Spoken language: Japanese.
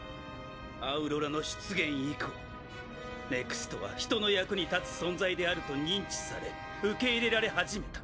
アウロラの出現以降ＮＥＸＴは人の役に立つ存在であると認知され受け入れられ始めた。